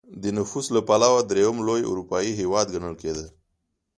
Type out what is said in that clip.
د نفوس له پلوه درېیم لوی اروپايي هېواد ګڼل کېده.